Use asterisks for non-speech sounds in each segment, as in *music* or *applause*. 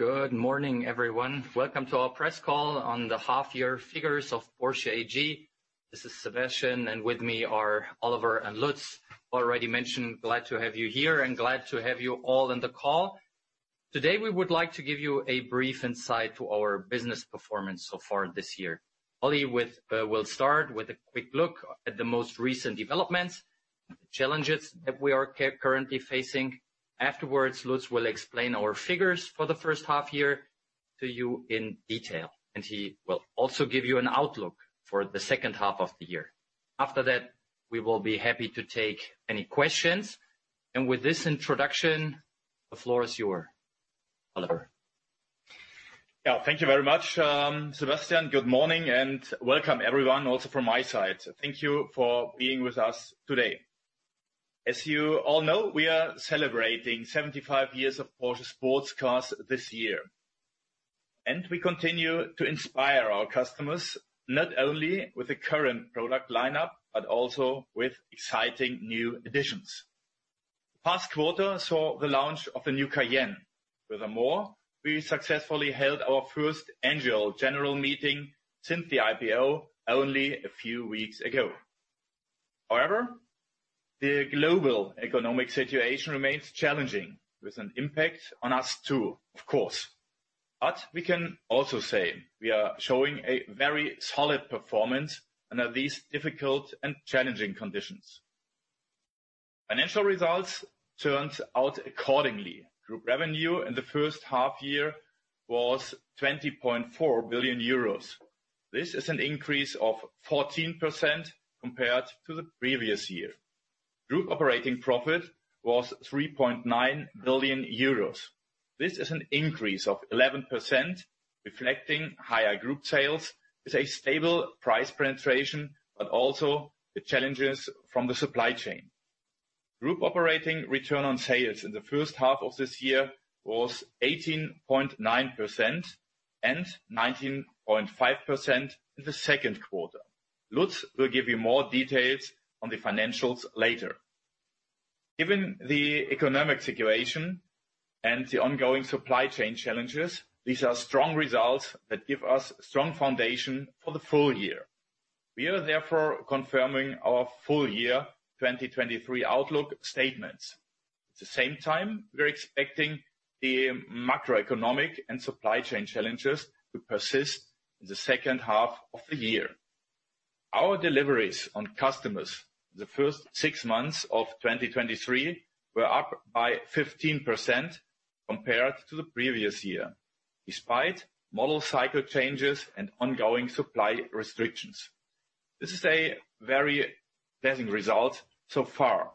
Good morning, everyone. Welcome to our press call on the half-year figures of Porsche AG. This is Sebastian, and with me are Oliver and Lutz. Already mentioned, glad to have you here, and glad to have you all on the call. Today, we would like to give you a brief insight to our business performance so far this year. Oli will start with a quick look at the most recent developments, challenges that we are currently facing. Afterwards, Lutz will explain our figures for the first half year to you in detail, and he will also give you an outlook for the second half of the year. After that, we will be happy to take any questions, and with this introduction, the floor is yours, Oliver. Thank you very much, Sebastian. Good morning. Welcome everyone, also from my side. Thank you for being with us today. As you all know, we are celebrating 75 years of Porsche sports cars this year. We continue to inspire our customers, not only with the current product lineup, but also with exciting new additions. Past quarter saw the launch of the new Cayenne. Furthermore, we successfully held our first Annual General Meeting since the IPO only a few weeks ago. The global economic situation remains challenging, with an impact on us, too, of course. We can also say we are showing a very solid performance under these difficult and challenging conditions. Financial results turned out accordingly. Group revenue in the first half year was 20.4 billion euros. This is an increase of 14% compared to the previous year. Group operating profit was 3.9 billion euros. This is an increase of 11%, reflecting higher group sales with a stable price penetration, but also the challenges from the supply chain. Group operating return on sales in the first half of this year was 18.9% and 19.5% in the second quarter. Lutz will give you more details on the financials later. Given the economic situation and the ongoing supply chain challenges, these are strong results that give us strong foundation for the full year. We are therefore confirming our full-year 2023 outlook statements. At the same time, we're expecting the macroeconomic and supply chain challenges to persist in the second half of the year. Our deliveries on customers, the first six months of 2023, were up by 15% compared to the previous year, despite model cycle changes and ongoing supply restrictions. This is a very pleasing result so far.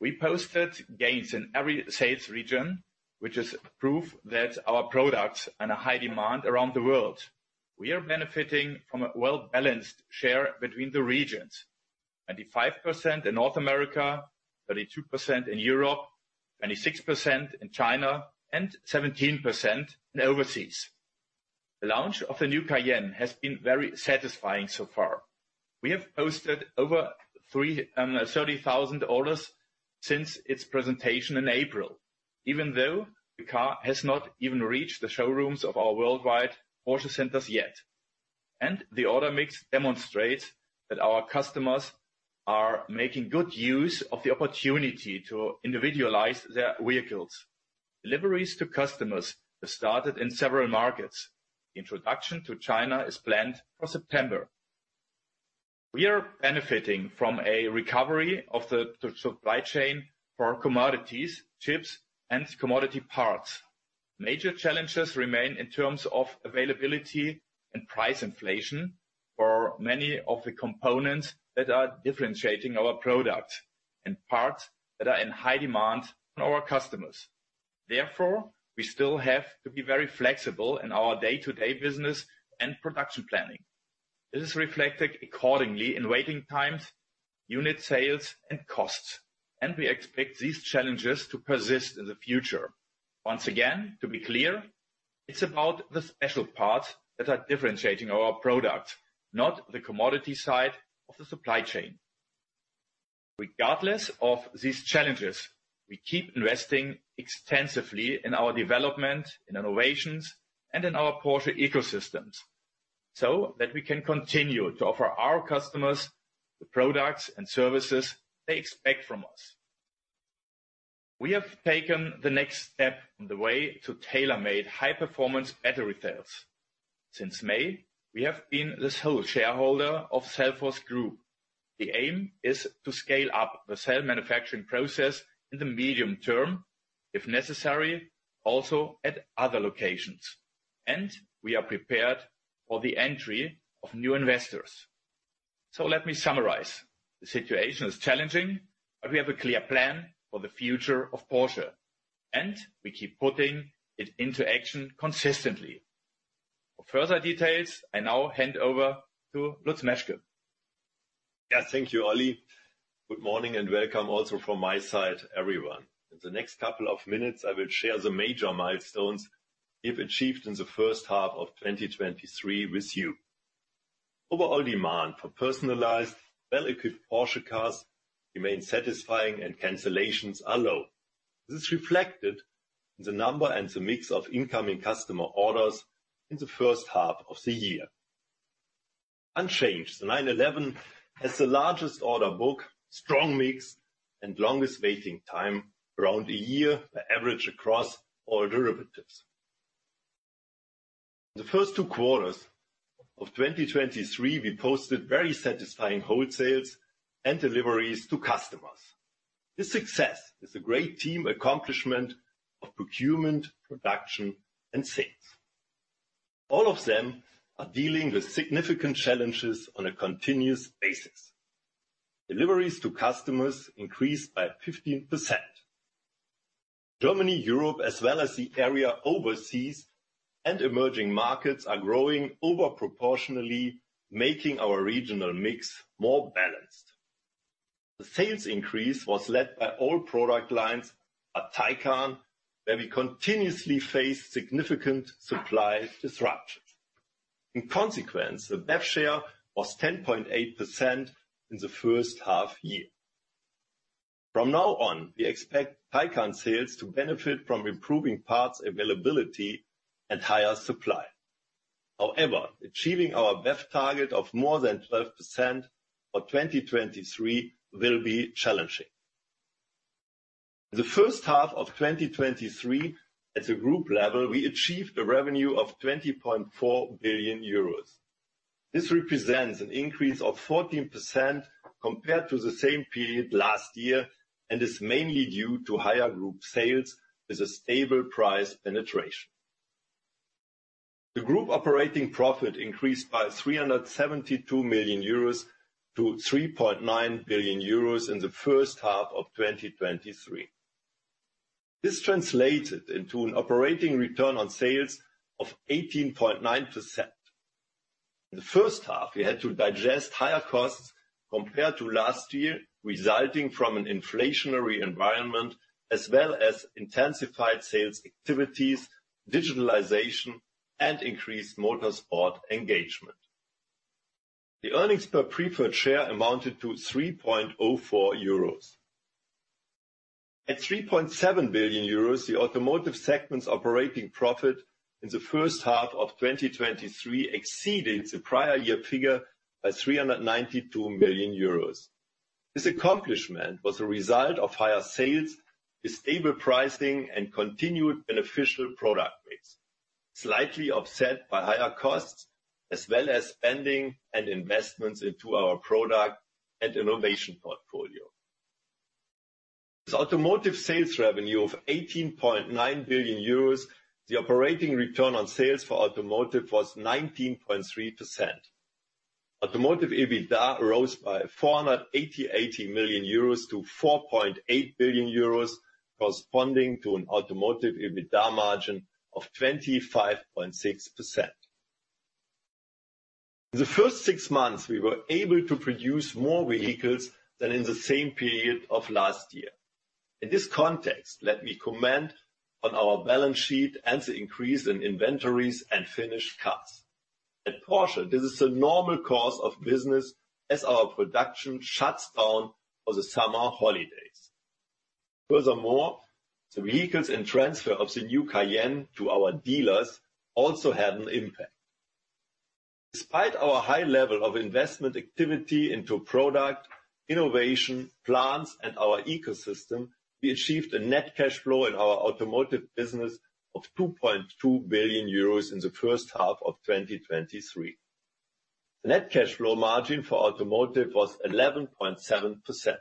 We posted gains in every sales region, which is proof that our products are in high demand around the world. We are benefiting from a well-balanced share between the regions: 95% in North America, 32% in Europe, 26% in China, and 17% in overseas. The launch of the new Cayenne has been very satisfying so far. We have posted over 30,000 orders since its presentation in April, even though the car has not even reached the showrooms of our worldwide Porsche centers yet. The order mix demonstrates that our customers are making good use of the opportunity to individualize their vehicles. Deliveries to customers have started in several markets. Introduction to China is planned for September. We are benefiting from a recovery of the supply chain for commodities, chips, and commodity parts. Major challenges remain in terms of availability and price inflation for many of the components that are differentiating our product, and parts that are in high demand from our customers. Therefore, we still have to be very flexible in our day-to-day business and production planning. This is reflected accordingly in waiting times, unit sales, and costs, and we expect these challenges to persist in the future. Once again, to be clear, it's about the special parts that are differentiating our product, not the commodity side of the supply chain. Regardless of these challenges, we keep investing extensively in our development, in innovations, and in our Porsche ecosystems, so that we can continue to offer our customers the products and services they expect from us. We have taken the next step on the way to tailor-made, high-performance battery cells. Since May, we have been the sole shareholder of Cellforce Group. The aim is to scale up the cell manufacturing process in the medium term, if necessary, also at other locations, and we are prepared for the entry of new investors. Let me summarize. The situation is challenging, but we have a clear plan for the future of Porsche, and we keep putting it into action consistently. For further details, I now hand over to Lutz Meschke. Yeah, thank you, Oli. Good morning and welcome also from my side, everyone. In the next couple of minutes, I will share the major milestones we've achieved in the first half of 2023 with you. Overall demand for personalized, well-equipped Porsche cars remain satisfying and cancellations are low. This is reflected in the number and the mix of incoming customer orders in the first half of the year. Unchanged, the 911 has the largest order book, strong mix, and longest waiting time, around a year, the average across all derivatives. The first two quarters of 2023, we posted very satisfying wholesales and deliveries to customers. This success is a great team accomplishment of procurement, production, and sales. All of them are dealing with significant challenges on a continuous basis. Deliveries to customers increased by 15%. Germany, Europe, as well as the area overseas and emerging markets, are growing over proportionally, making our regional mix more balanced. The sales increase was led by all product lines, but Taycan, where we continuously face significant supply disruptions. The BEV share was 10.8% in the first half year. From now on, we expect Taycan sales to benefit from improving parts availability and higher supply. Achieving our BEV target of more than 12% for 2023 will be challenging. The first half of 2023, at a group level, we achieved a revenue of 20.4 billion euros. This represents an increase of 14% compared to the same period last year, and is mainly due to higher group sales with a stable price penetration. The group operating profit increased by 372 million euros to 3.9 billion euros in the first half of 2023. At 3.7 billion euros, the automotive segment's operating profit in the first half of 2023 exceeded the prior year figure by 392 million euros. This accomplishment was a result of higher sales with stable pricing and continued beneficial product mix, slightly offset by higher costs, as well as spending and investments into our product and innovation portfolio. The automotive sales revenue of 18.9 billion euros, the operating return on sales for automotive was 19.3%. Automotive EBITDA rose by 488 million euros to 4.8 billion euros, corresponding to an automotive EBITDA margin of 25.6%. The first six months, we were able to produce more vehicles than in the same period of last year. In this context, let me comment on our balance sheet and the increase in inventories and finished cars. At Porsche, this is the normal course of business as our production shuts down for the summer holidays. Furthermore, the vehicles and transfer of the new Cayenne to our dealers also had an impact. Despite our high level of investment activity into product, innovation, plants, and our ecosystem, we achieved a net cash flow in our automotive business of 2.2 billion euros in the first half of 2023. Net cash flow margin for automotive was 11.7%.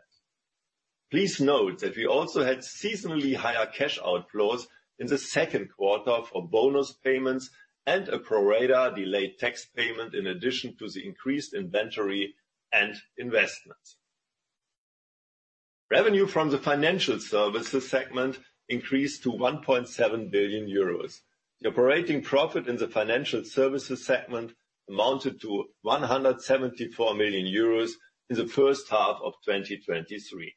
Please note that we also had seasonally higher cash outflows in the second quarter for bonus payments and a pro rata delayed tax payment, in addition to the increased inventory and investments. Revenue from the financial services segment increased to 1.7 billion euros. The operating profit in the financial services segment amounted to 174 million euros in the first half of 2023.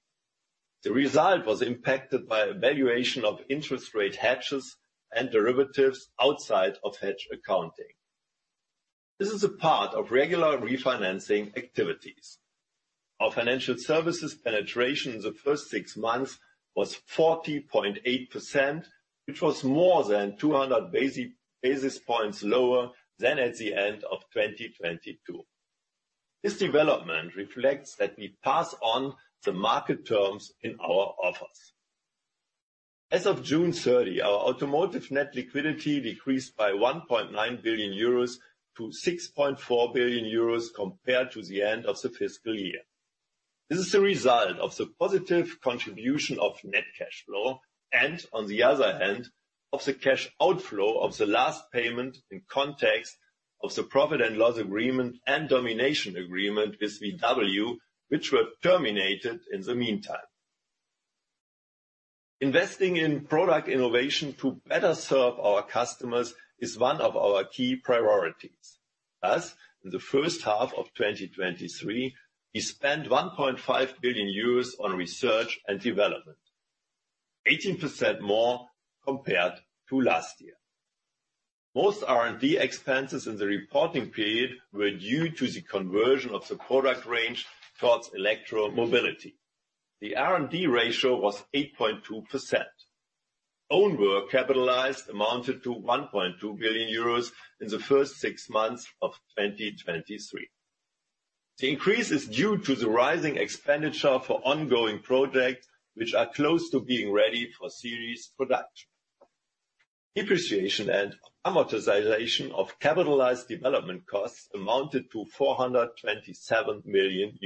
The result was impacted by valuation of interest rate hedges and derivatives outside of hedge accounting. This is a part of regular refinancing activities. Our financial services penetration in the first six months was 14.8%, which was more than 200 basis points lower than at the end of 2022. This development reflects that we pass on the market terms in our offers. As of June 30, our automotive net liquidity decreased by 1.9 billion euros to 6.4 billion euros compared to the end of the fiscal year. This is the result of the positive contribution of net cash flow, and on the other hand, of the cash outflow of the last payment in context of the profit and loss agreement and domination agreement with VW, which were terminated in the meantime. Investing in product innovation to better serve our customers is one of our key priorities. In the first half of 2023, we spent 1.5 billion euros on research and development, 18% more compared to last year. Most R&D expenses in the reporting period were due to the conversion of the product range towards electromobility. The R&D ratio was 8.2%. Own work capitalized amounted to 1.2 billion euros in the first six months of 2023. The increase is due to the rising expenditure for ongoing projects, which are close to being ready for series production. Depreciation and amortization of capitalized development costs amounted to EUR 427 million.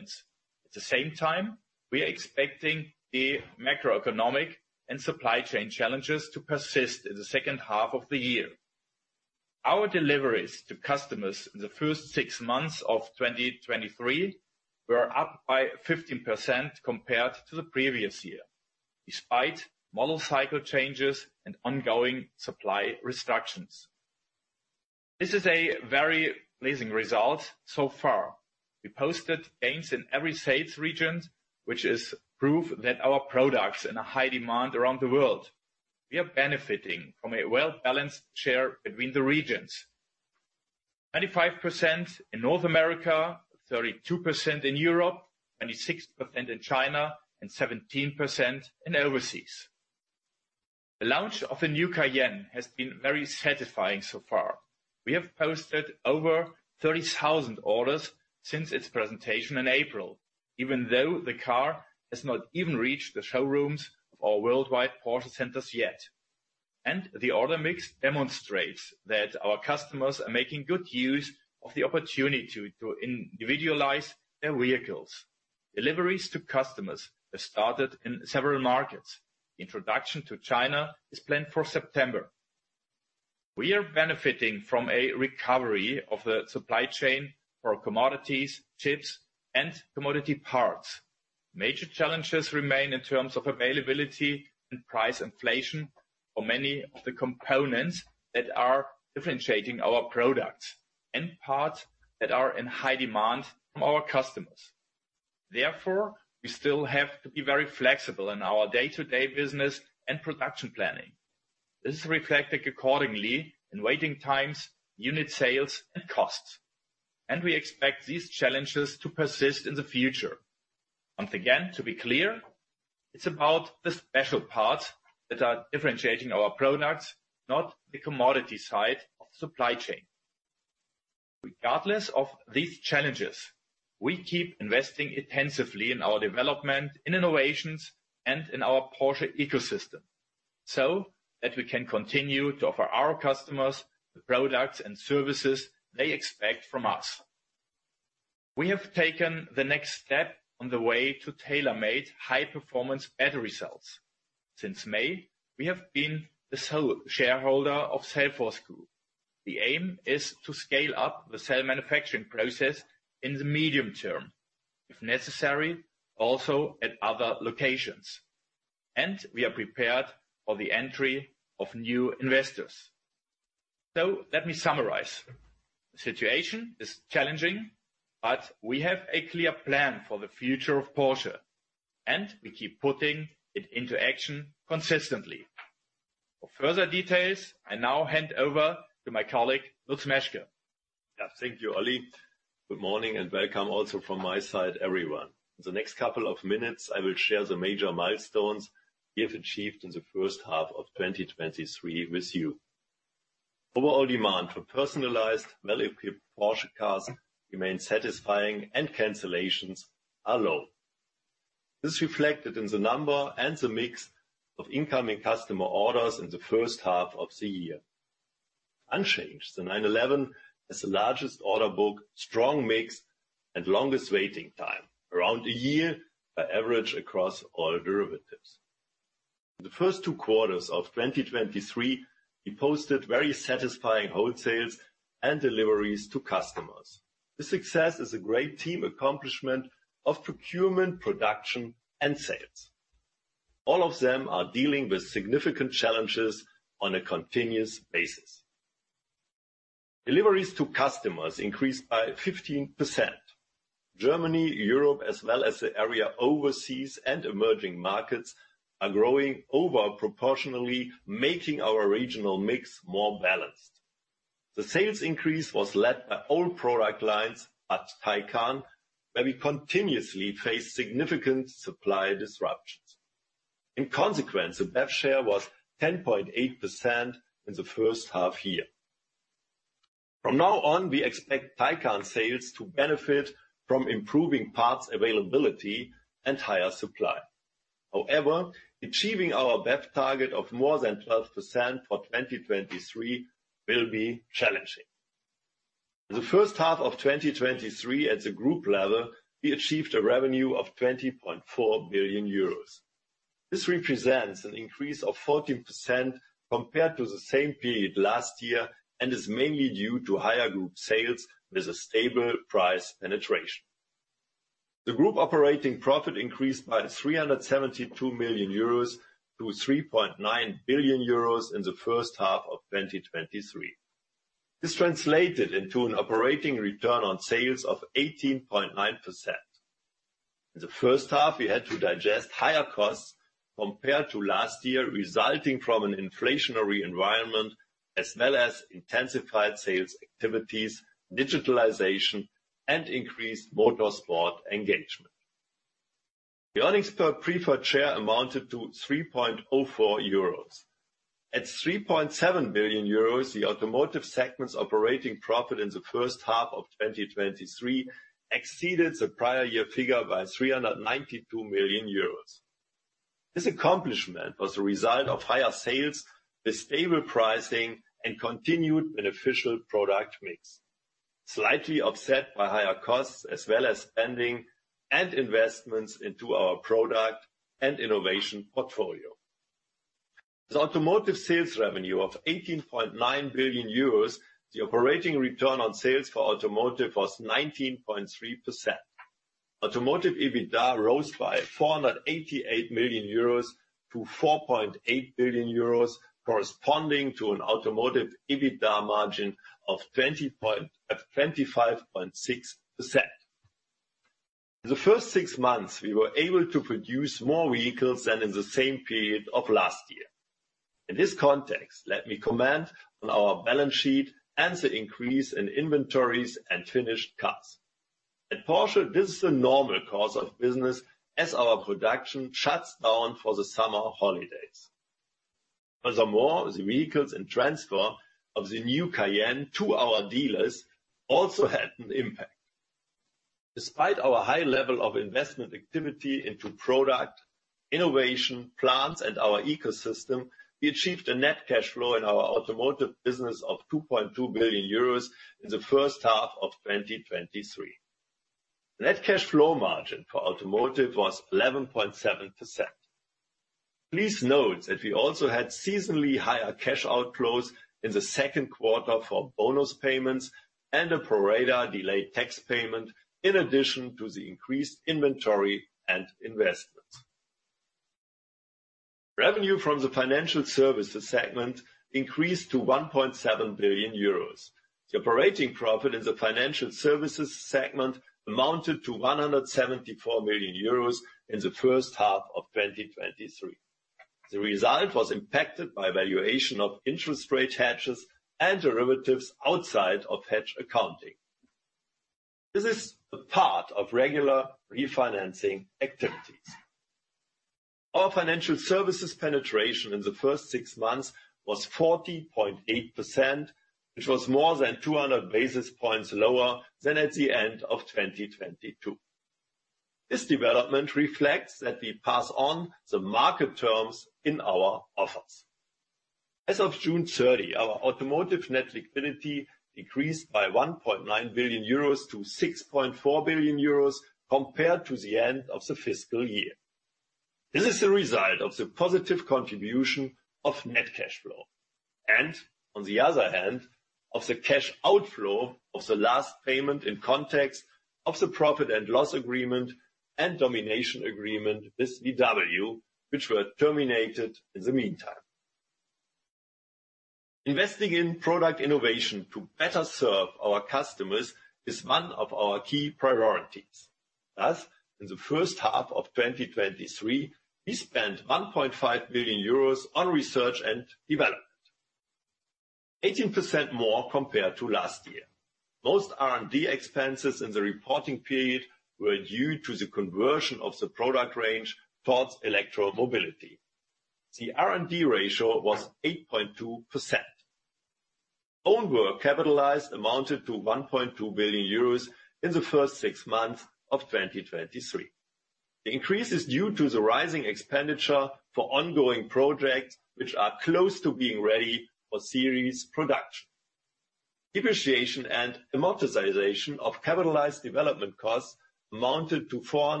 Let's move on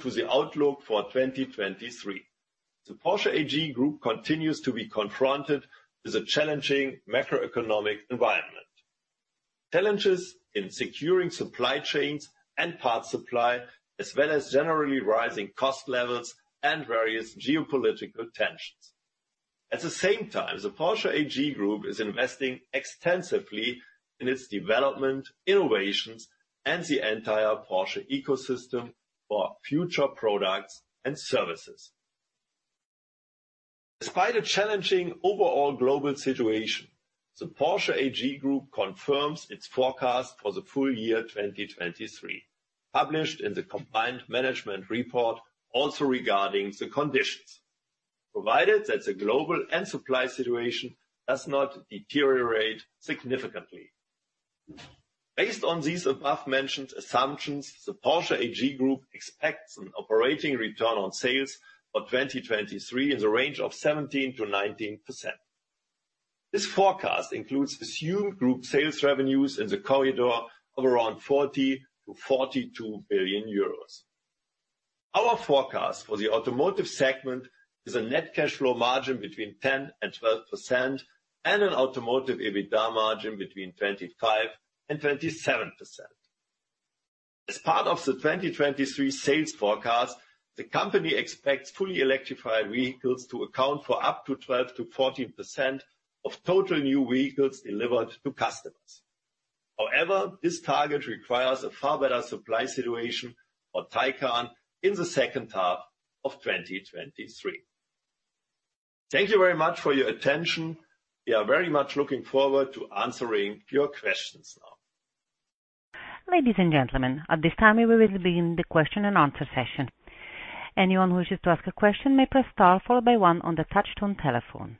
to the outlook for 2023. The Porsche AG Group continues to be confronted with a challenging macroeconomic environment.... challenges in securing supply chains and parts supply, as well as generally rising cost levels and various geopolitical tensions. At the same time, the Porsche AG Group is investing extensively in its development, innovations, and the entire Porsche ecosystem for future products and services. Despite a challenging overall global situation, the Porsche AG Group confirms its forecast for the full year 2023, published in the Combined Management Report, also regarding the conditions, provided that the global and supply situation does not deteriorate significantly. Based on these above-mentioned assumptions, the Porsche AG Group expects an operating return on sales for 2023 in the range of 17%-19%. This forecast includes assumed group sales revenues in the corridor of around 40 billion-42 billion euros. Our forecast for the automotive segment is a net cash flow margin between 10% and 12%, and an automotive EBITDA margin between 25% and 27%. As part of the 2023 sales forecast, the company expects fully electrified vehicles to account for up to 12%-14% of total new vehicles delivered to customers. However, this target requires a far better supply situation for Taycan in the second half of 2023. Thank you very much for your attention. We are very much looking forward to answering your questions now. Ladies and gentlemen, at this time, we will begin the question and answer session. Anyone who wishes to ask a question may press star followed by one on the touch-tone telephone.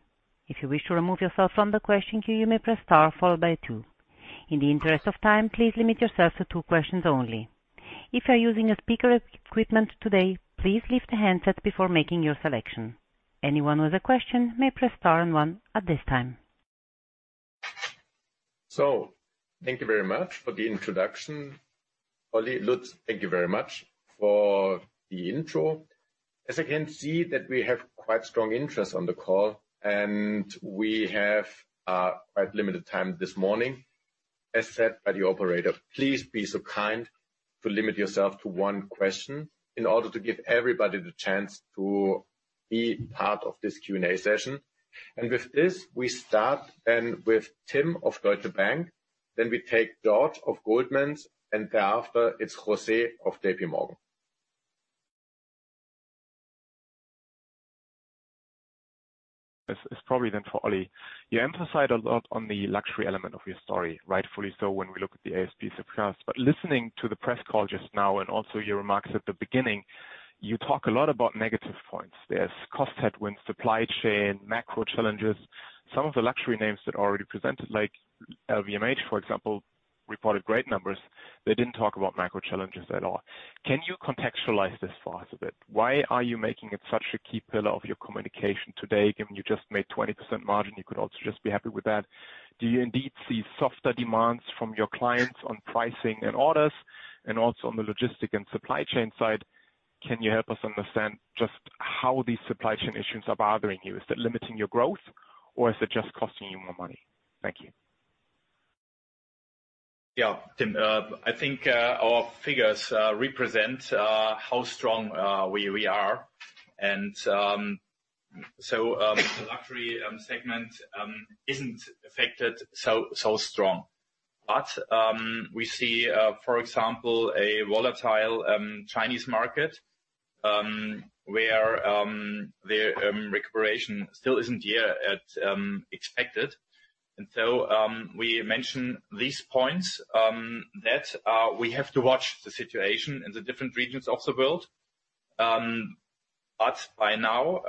If you wish to remove yourself from the question queue, you may press star followed by two. In the interest of time, please limit yourself to two questions only. If you're using a speaker equipment today, please leave the handset before making your selection. Anyone with a question may press star and one at this time. Thank you very much for the introduction. Oli, Lutz, thank you very much for the intro. As I can see that we have quite strong interest on the call, and we have quite limited time this morning. As said by the operator, please be so kind to limit yourself to one question in order to give everybody the chance to be part of this Q&A session. With this, we start then with Tim of Deutsche Bank, then we take George of Goldman's, and thereafter, it's José of JPMorgan. This is probably for Oli. You emphasize a lot on the luxury element of your story, rightfully so, when we look at the ASP surpassed. Listening to the press call just now and also your remarks at the beginning, you talk a lot about negative points. There's cost headwinds, supply chain, macro challenges. Some of the luxury names that already presented, like LVMH, for example, reported great numbers. They didn't talk about macro challenges at all. Can you contextualize this for us a bit? Why are you making it such a key pillar of your communication today, given you just made 20% margin. You could also just be happy with that. Do you indeed see softer demands from your clients on pricing and orders? Also on the logistic and supply chain side, can you help us understand just how these supply chain issues are bothering you? Is it limiting your growth, or is it just costing you more money? Thank you. Tim, I think our figures represent how strong we are. The luxury segment isn't affected so strong. We see, for example, a volatile Chinese market where the recuperation still isn't here at expected. We mention these points that we have to watch the situation in the different regions of the world. By now,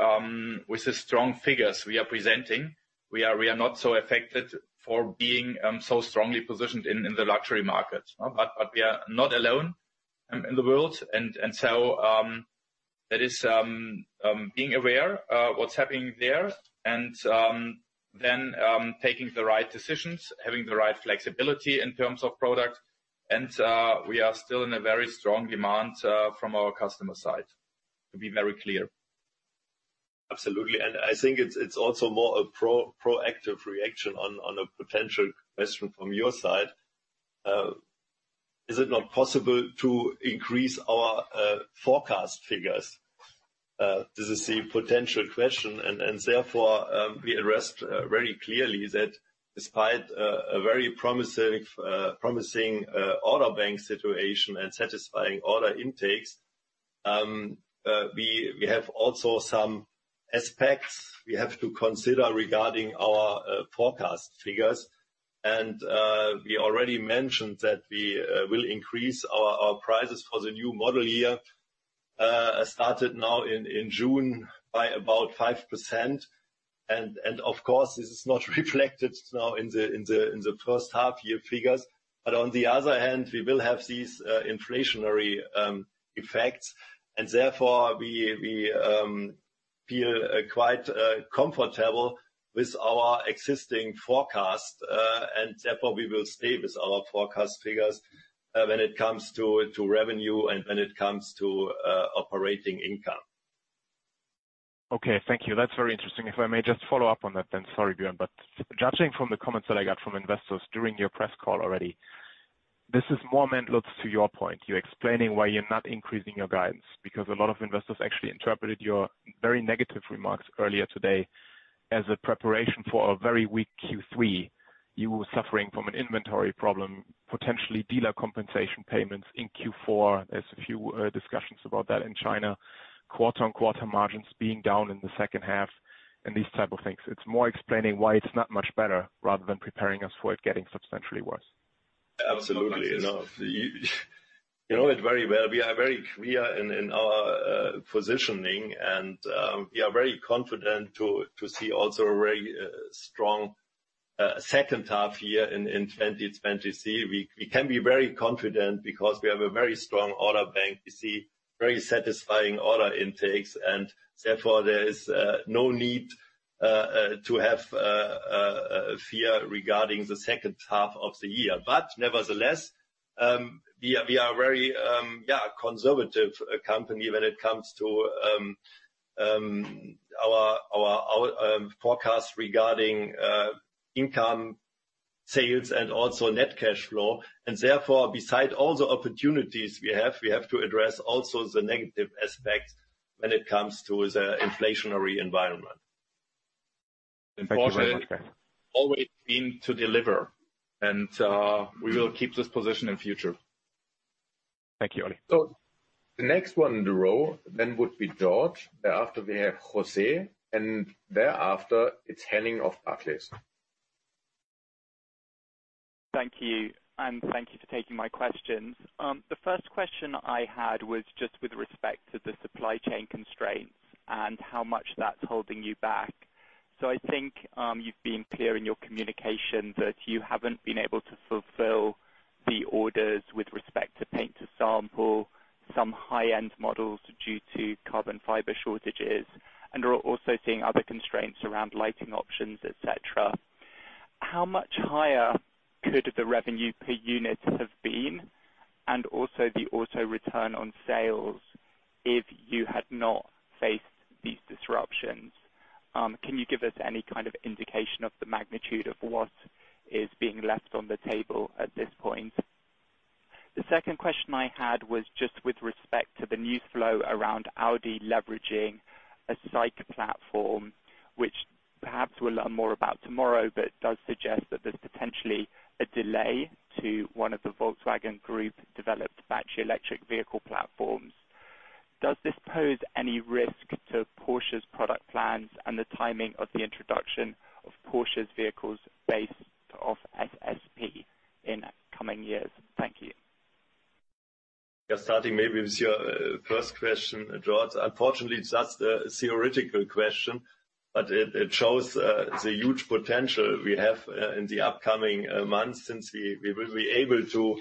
with the strong figures we are presenting, we are not so affected for being so strongly positioned in the luxury market. We are not alone in the world, that is being aware what's happening there and taking the right decisions, having the right flexibility in terms of product. We are still in a very strong demand from our customer side, to be very clear. Absolutely. And I think it's, it's also more a pro- proactive reaction on, on a potential question from your side. Uh, is it not possible to increase our, uh, forecast figures? Uh, this is the potential question, and, and therefore, um, we address, uh, very clearly that despite, uh, a very promising, f- uh, promising, uh, order bank situation and satisfying order intakes, um, uh, we, we have also some aspects we have to consider regarding our, uh, forecast figures. And, uh, we already mentioned that we, uh, will increase our, our prices for the new model year, uh, started now in, in June by about five percent. And, and of course, this is not reflected now in the, in the, in the first half year figures. On the other hand, we will have these inflationary effects, and therefore, we feel quite comfortable with our existing forecast. Therefore, we will stay with our forecast figures when it comes to revenue and when it comes to operating income. Okay, thank you. That's very interesting. If I may just follow up on that, sorry, Björn, judging from the comments that I got from investors during your press call already, this is more meant, Lutz, to your point. You're explaining why you're not increasing your guidance, a lot of investors actually interpreted your very negative remarks earlier today as a preparation for a very weak Q3. You were suffering from an inventory problem, potentially dealer compensation payments in Q4. There's a few discussions about that in China. Quarter-on-quarter margins being down in the second half and these type of things. It's more explaining why it's not much better, rather than preparing us for it getting substantially worse. Absolutely. No, you know it very well. We are very clear in our positioning, and we are very confident to see also a very strong second half year in 2023. We can be very confident because we have a very strong order bank. We see very satisfying order intakes. Therefore, there is no need to have a fear regarding the second half of the year. Nevertheless, we are very, yeah, a conservative company when it comes to our forecasts regarding income, sales, and also net cash flow. Therefore, beside all the opportunities we have, we have to address also the negative aspects when it comes to the inflationary environment. Thank you very much. Always aim to deliver, and we will keep this position in future. Thank you, Oli. The next one in the row then would be George. After, we have José, and thereafter, it's Henning of Barclays. Thank you, thank you for taking my questions. The first question I had was just with respect to the supply chain constraints and how much that's holding you back. I think you've been clear in your communication that you haven't been able to fulfill the orders with respect to Paint to Sample, some high-end models due to carbon fiber shortages, and we're also seeing other constraints around lighting options, et cetera. How much higher could the revenue per unit have been, and also the auto return on sales, if you had not faced these disruptions? Can you give us any kind of indication of the magnitude of what is being left on the table at this point? The second question I had was just with respect to the news flow around Audi leveraging a SAIC platform, which perhaps we'll learn more about tomorrow. This does suggest that there's potentially a delay to one of the Volkswagen Group-developed battery electric vehicle platforms. Does this pose any risk to Porsche's product plans and the timing of the introduction of Porsche's vehicles based off SSP in coming years? Thank you. Yeah, starting maybe with your first question, George. Unfortunately, it's just a theoretical question, but it shows the huge potential we have in the upcoming months, since we will be able to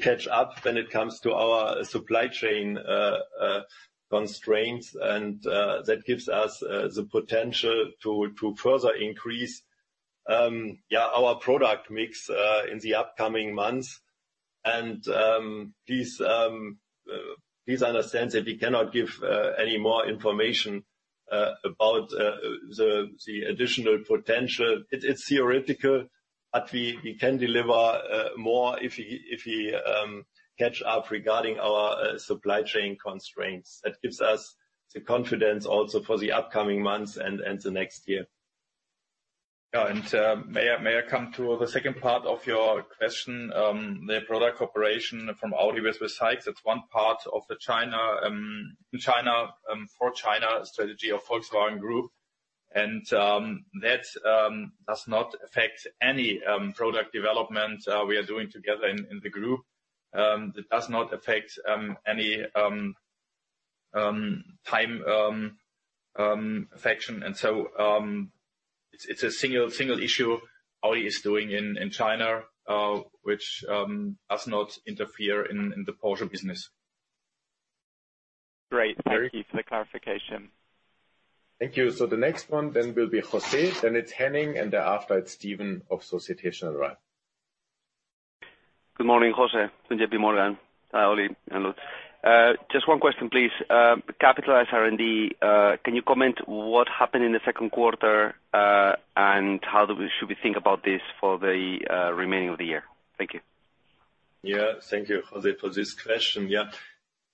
catch up when it comes to our supply chain constraints, and that gives us the potential to further increase, yeah, our product mix in the upcoming months. Please, please understand that we cannot give any more information about the additional potential. It's theoretical, but we can deliver more if we catch up regarding our supply chain constraints. That gives us the confidence also for the upcoming months and the next year. Yeah, may I come to the second part of your question, the product cooperation from Audi with SAIC? That's one part of the China for China strategy of Volkswagen Group, and that does not affect any product development we are doing together in the group. It does not affect any time affection and so it's a single issue Audi is doing in China, which does not interfere in the Porsche business. Great. Thank you for the clarification. Thank you. The next one will be José, it's Henning, thereafter, it's Stephen of Société Générale. Good morning, José with JPMorgan. Hi, Oli and Lutz. Just one question, please. Capitalized R&D, can you comment what happened in the second quarter, and how should we think about this for the remaining of the year? Thank you. Thank you, José, for this question.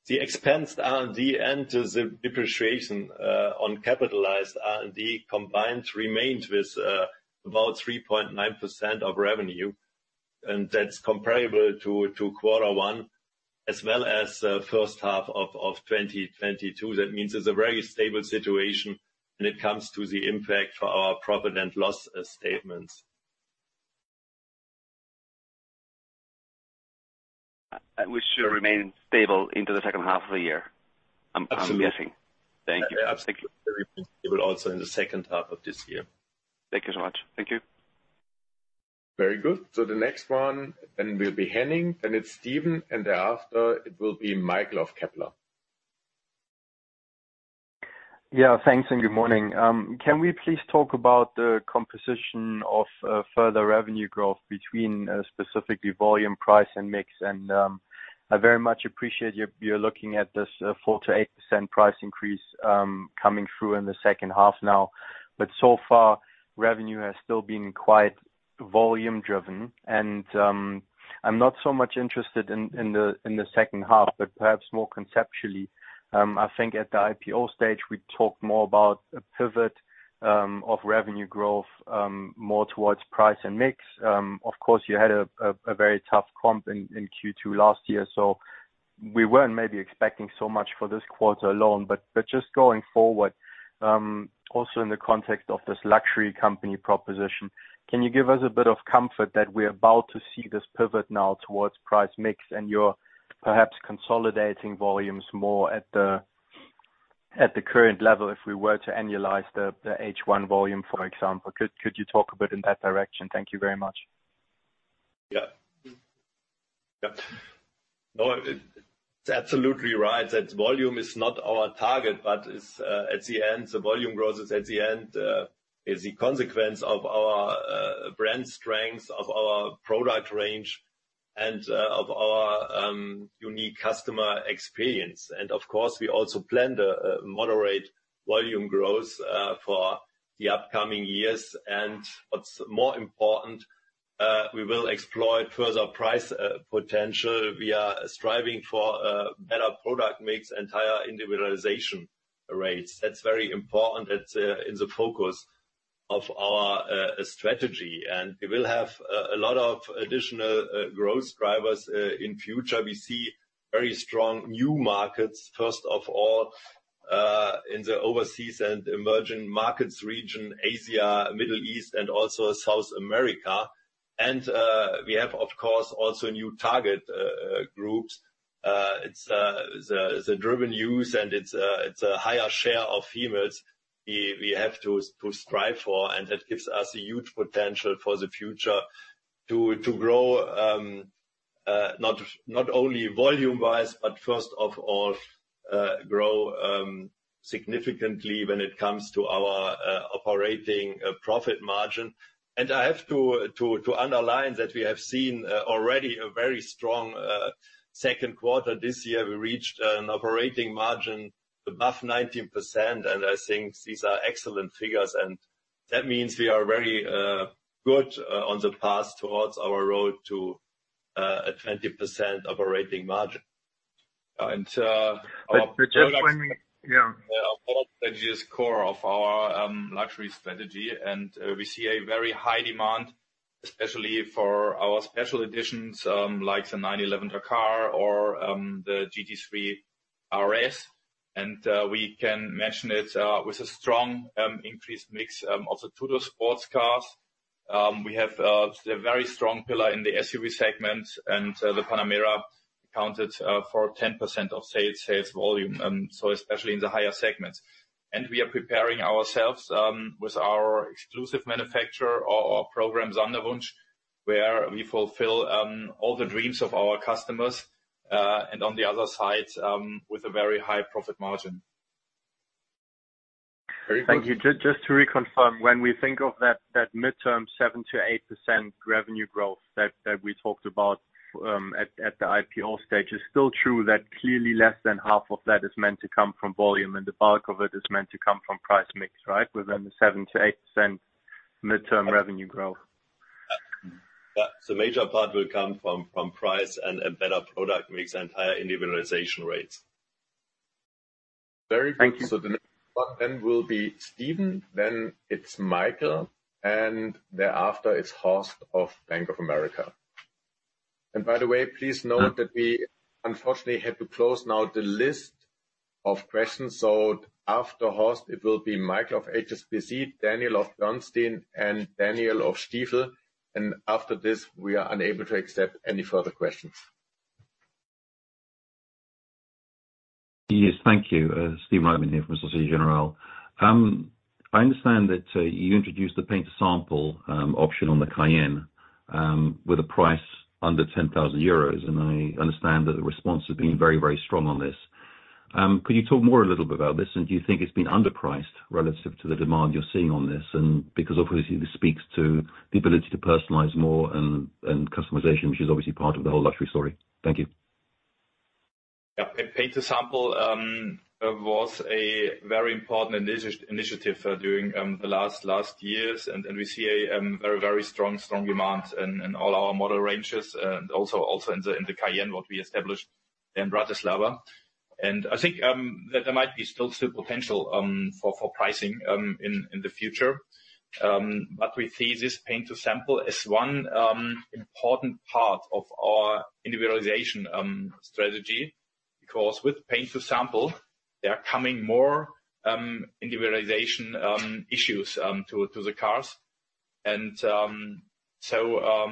The expense R&D and the depreciation on capitalized R&D combined remains with about 3.9% of revenue, and that's comparable to quarter one, as well as first half of 2022. That means it's a very stable situation when it comes to the impact for our profit and loss statements. We still remain stable into the second half of the year. Absolutely. -guessing. Thank you. Absolutely. It will also in the second half of this year. Thank you so much. Thank you. Very good. The next one then will be Henning, then it's Stephen, and thereafter, it will be Michael of Kepler. Yeah, thanks, and good morning. Can we please talk about the composition of further revenue growth between specifically volume, price, and mix? I very much appreciate you're looking at this 4%-8% price increase coming through in the second half now, but so far, revenue has still been quite volume-driven. I'm not so much interested in the second half, but perhaps more conceptually. I think at the IPO stage, we talked more about a pivot of revenue growth more towards price and mix. Of course, you had a very tough comp in Q2 last year, so we weren't maybe expecting so much for this quarter alone. Just going forward, also in the context of this luxury company proposition, can you give us a bit of comfort that we're about to see this pivot now towards price mix, and you're perhaps consolidating volumes more at the current level if we were to annualize the H1 volume, for example? Could you talk a bit in that direction? Thank you very much. Yeah. Yep. No, it's absolutely right that volume is not our target, but it's at the end, the volume growth is a consequence of our brand strength, of our product range, and of our unique customer experience. Of course, we also plan the moderate volume growth for the upcoming years. What's more important, we will explore further price potential. We are striving for better product mix and higher individualization rates. That's very important. It's in the focus of our strategy, and we will have a lot of additional growth drivers. In future, we see very strong new markets, first of all, in the overseas and emerging markets region, Asia, Middle East, and also South America. We have, of course, also new target groups. It's the revenues, and it's a higher share of females we have to strive for, and that gives us a huge potential for the future to grow, not only volume-wise, but first of all, grow significantly when it comes to our operating profit margin. I have to underline that we have seen already a very strong second quarter. This year, we reached an operating margin above 19%, and I think these are excellent figures, and that means we are very good on the path towards our road to a 20% operating margin. Our. Just when we... Yeah. Yeah, product is core of our luxury strategy. We see a very high demand, especially for our special editions, like the 911 Dakar or the 911 GT3 RS. We can mention it with a strong increased mix of the two-door sports cars. We have a very strong pillar in the SUV segment. The Panamera accounted for 10% of sales volume, so especially in the higher segments. We are preparing ourselves with our Exclusive Manufaktur or our program, Sonderwunsch, where we fulfill all the dreams of our customers, and on the other side, with a very high profit margin. Thank you. Just to reconfirm, when we think of that midterm 7%-8% revenue growth that we talked about, at the IPO stage, it's still true that clearly less than half of that is meant to come from volume, and the bulk of it is meant to come from price mix, right? Within the 7%-8% midterm revenue growth. The major part will come from price and better product mix and higher individualization rates. Very good. Thank you. The next one then will be Stephen, then it's Michael, and thereafter, it's Horst of Bank of America. By the way, please note that we unfortunately had to close now the list of questions, so after Horst, it will be Michael of HSBC, Daniel of Bernstein, and Daniel of Stifel. After this, we are unable to accept any further questions. Yes, thank you. Steve Reitman here from Société Générale. I understand that you introduced the Paint to Sample option on the Cayenne with a price under 10,000 euros, and I understand that the response has been very strong on this. Could you talk more a little bit about this, and do you think it's been underpriced relative to the demand you're seeing on this? Because obviously, this speaks to the ability to personalize more and customization, which is obviously part of the whole luxury story. Thank you. Yeah. Paint to Sample was a very important initiative during the last years, and we see a very strong demand in all our model ranges and also in the Cayenne, what we established in Bratislava. I think that there might be still some potential for pricing in the future. We see this Paint to Sample as one important part of our individualization strategy, because with Paint to Sample, there are coming more individualization issues to the cars. So,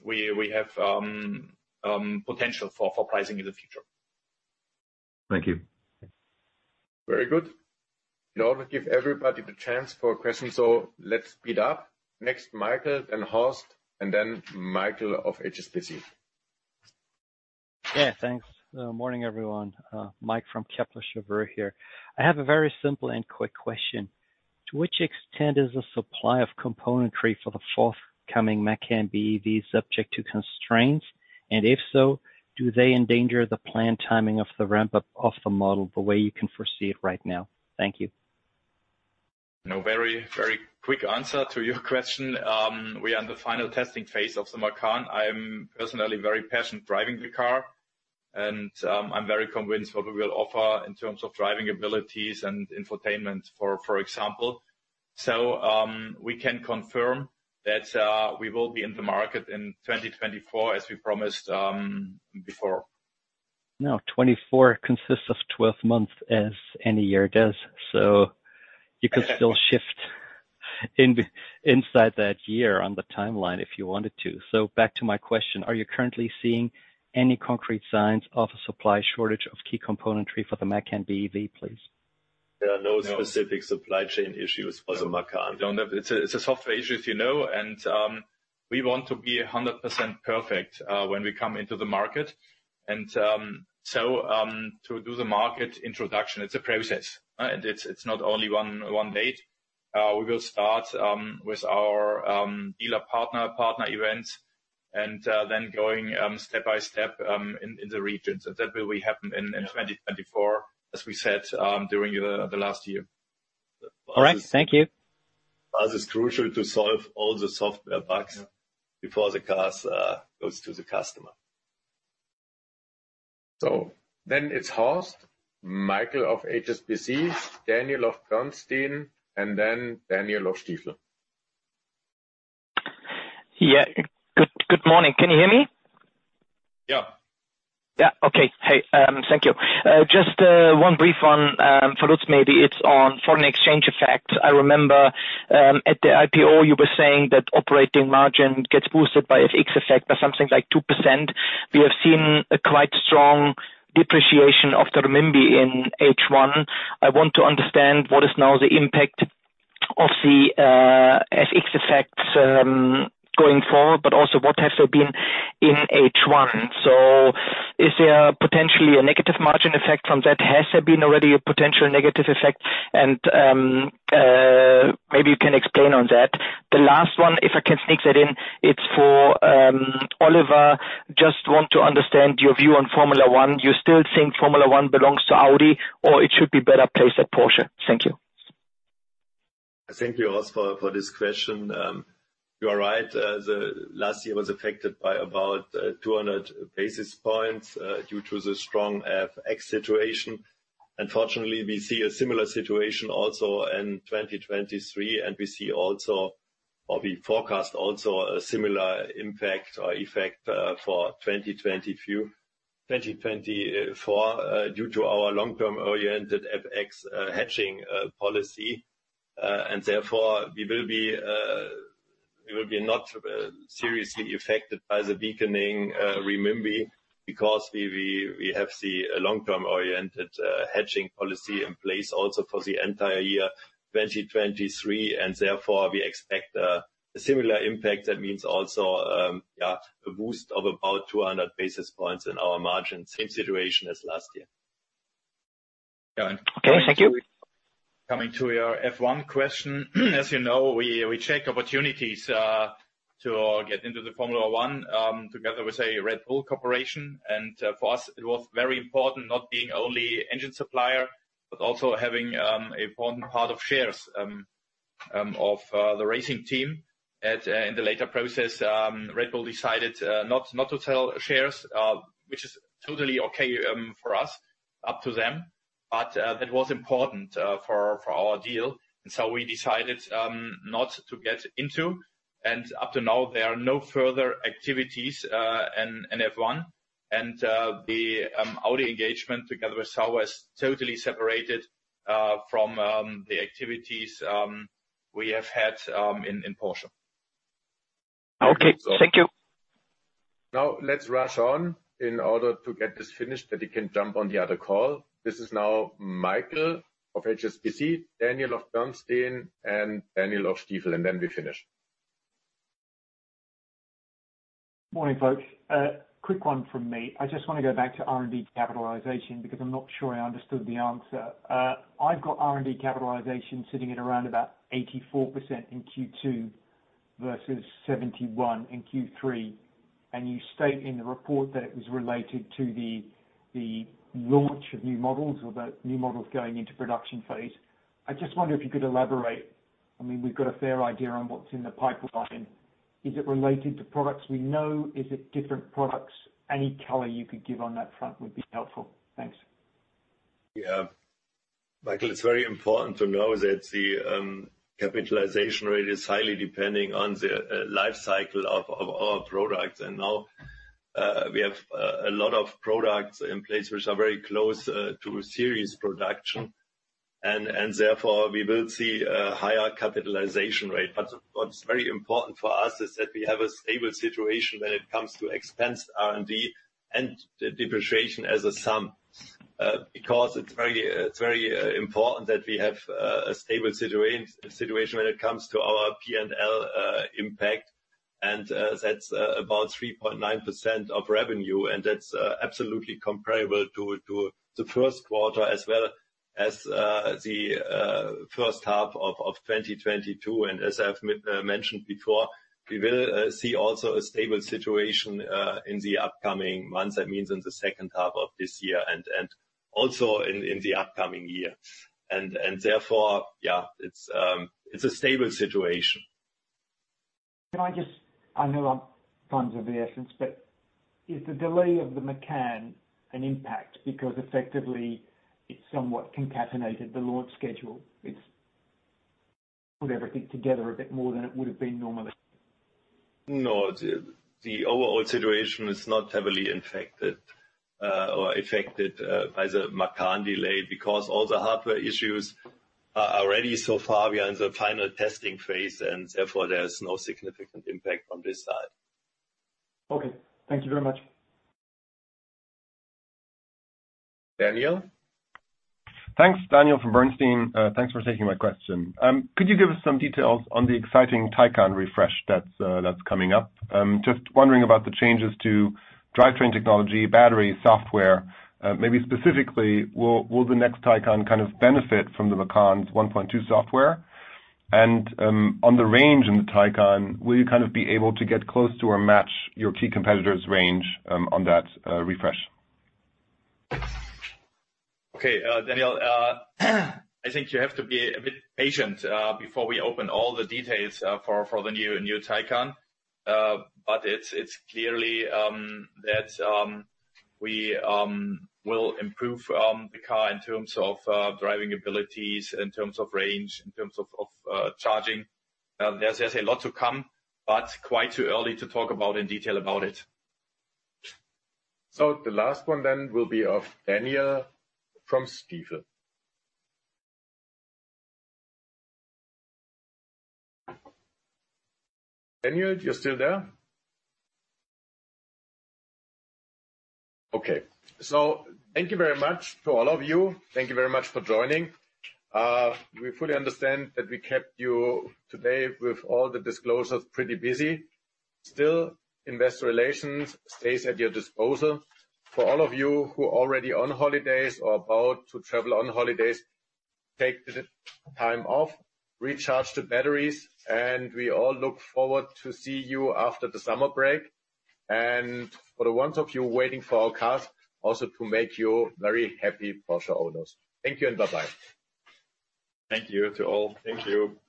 we have potential for pricing in the future. Thank you. Very good. In order to give everybody the chance for a question, so let's speed up. Next, Michael then Horst, and then Michael of HSBC. Yeah, thanks. Morning, everyone. Mike from Kepler Cheuvreux here. I have a very simple and quick question: To which extent is the supply of componentry for the forthcoming Macan BEV subject to constraints? If so, do they endanger the planned timing of the ramp-up of the model the way you can foresee it right now? Thank you. Very quick answer to your question. We are in the final testing phase of the Macan. I'm personally very passionate driving the car, I'm very convinced what we will offer in terms of driving abilities and infotainment, for example. We can confirm that we will be in the market in 2024, as we promised before. 2024 consists of 12 months, as any year does, so you could still shift inside that year on the timeline, if you wanted to. Back to my question, are you currently seeing any concrete signs of a supply shortage of key componentry for the Macan BEV, please? There are no specific supply chain issues for the Macan. It's a software issue, as you know, and we want to be 100% perfect when we come into the market. To do the market introduction, it's a process, and it's not only 1 date. We will start with our dealer partner event, and then going step by step in the regions. That will happen in 2024, as we said during the last year. All right. Thank you. For us, it's crucial to solve all the software bugs before the cars goes to the customer. It's Horst, Michael of HSBC, Daniel of Bernstein, and then Daniel of Stifel. Yeah. Good morning. Can you hear me? Yeah. Okay. Hey, thank you. Just one brief one for Lutz maybe. It's on foreign exchange effect. I remember at the IPO, you were saying that operating margin gets boosted by FX effect by something like 2%. We have seen a quite strong depreciation of the renminbi in H1. I want to understand, what is now the impact of the FX effects going forward, but also, what has there been in H1. Is there potentially a negative margin effect from that? Has there been already a potential negative effect? Maybe you can explain on that. The last one, if I can sneak that in, it's for Oliver. Just want to understand your view on Formula One. Do you still think Formula One belongs to Audi, or it should be better placed at Porsche? Thank you. Thank you, Horst, for this question. You are right. The last year was affected by about 200 basis points due to the strong FX situation. Unfortunately, we see a similar situation also in 2023. We forecast also a similar impact or effect for 2024 due to our long-term-oriented FX hedging policy. Therefore, we will be not seriously affected by the weakening renminbi, because we have the long-term-oriented hedging policy in place also for the entire year 2023, and therefore, we expect a similar impact. That means also, a boost of about 200 basis points in our margin. Same situation as last year. Okay, thank you. Coming to your F1 question, as you know, we check opportunities to get into the Formula One together with a Red Bull cooperation. For us, it was very important not being only engine supplier, but also having a important part of shares of the racing team. In the later process, Red Bull decided not to sell shares, which is totally okay for us, up to them. That was important for our deal, we decided not to get into. Up to now, there are no further activities in F1, the Audi engagement together with *inaudible* is totally separated from the activities we have had in Porsche. Okay. Thank you. Let's rush on in order to get this finished, that you can jump on the other call. This is now Michael of HSBC, Daniel of Bernstein, and Daniel of Stifel, and then we finish. Morning, folks. Quick one from me. I just want to go back to R&D capitalization, because I'm not sure I understood the answer. I've got R&D capitalization sitting at around about 84% in Q2 versus 71% in Q3, and you state in the report that it was related to the launch of new models or the new models going into production phase. I just wonder if you could elaborate. I mean, we've got a fair idea on what's in the pipeline. Is it related to products we know? Is it different products? Any color you could give on that front would be helpful. Thanks. Yeah. Michael, it's very important to know that the capitalization rate is highly depending on the life cycle of our products. Now, we have a lot of products in place which are very close to serious production, and, therefore, we will see a higher capitalization rate. What's very important for us is that we have a stable situation when it comes to expense R&D and the depreciation as a sum. Because it's very important that we have a stable situation when it comes to our P&L impact, and that's about 3.9% of revenue, and that's absolutely comparable to the first quarter, as well as the first half of 2022. As I've mentioned before, we will see also a stable situation in the upcoming months. That means in the second half of this year and also in the upcoming year. Therefore, yeah, it's a stable situation. I know I'm conscious of the essence, is the delay of the Macan an impact? Effectively, it's somewhat concatenated the launch schedule. It's put everything together a bit more than it would have been normally. No, the overall situation is not heavily infected, or affected, by the Macan delay, because all the hardware issues are ready. So far, we are in the final testing phase, and therefore, there is no significant impact on this side. Okay, thank you very much. Daniel? Thanks. Daniel from Bernstein. Thanks for taking my question. Could you give us some details on the exciting Taycan refresh that's coming up? Just wondering about the changes to drivetrain technology, battery, software. Maybe specifically, will the next Taycan kind of benefit from the Macan's 1.2 software? On the range in the Taycan, will you kind of be able to get close to or match your key competitor's range on that refresh? Okay, Daniel, I think you have to be a bit patient, before we open all the details, for the new Taycan. It's clearly, that, we, will improve, the car in terms of, driving abilities, in terms of range, in terms of charging. There's a lot to come, but quite too early to talk about in detail about it. The last one then will be of Daniel from Stifel. Daniel, you're still there? Okay, thank you very much to all of you. Thank you very much for joining. We fully understand that we kept you today with all the disclosures, pretty busy. Still, investor relations stays at your disposal. For all of you who are already on holidays or about to travel on holidays, take the time off, recharge the batteries, and we all look forward to see you after the summer break, and for the ones of you waiting for our cars, also to make you very happy Porsche owners. Thank you, and bye-bye. Thank you to all. Thank you.